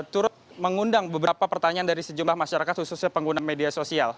turut mengundang beberapa pertanyaan dari sejumlah masyarakat khususnya pengguna media sosial